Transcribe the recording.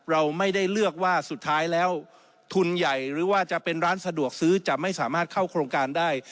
เราไม่ได้เลือกว่าสุดท้ายแล้วทุนใหญ่หรือว่าจะเป็นร้านสะดวกซื้อจะไม่สามารถเข้าโครงการได้